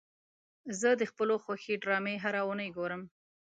زه د خپلو خوښې ډرامې هره اونۍ ګورم.